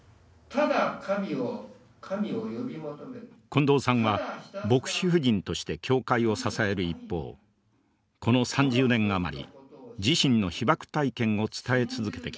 近藤さんは牧師夫人として教会を支える一方この３０年余り自身の被爆体験を伝え続けてきました。